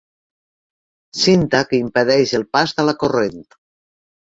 Cinta que impedeix el pas de la corrent.